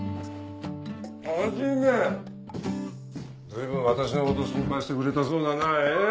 随分私のこと心配してくれたそうだなえぇ？